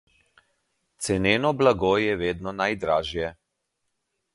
Ceneno blago je vedno najdražje.